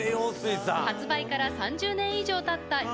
発売から３０年以上たった